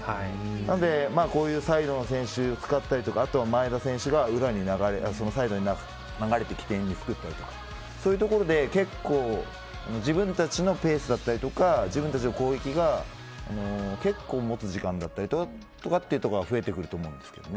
なので、こういうサイドの選手を使ったりあとは前田選手がサイドに流れて起点をつくったりそういうところで自分たちのペースだったりとか自分たちの攻撃が結構持つ時間だったりが増えてくると思うんですけどね。